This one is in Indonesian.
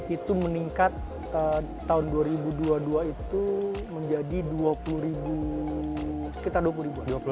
itu meningkat tahun dua ribu dua puluh dua itu menjadi dua puluh ribu sekitar dua puluh ribuan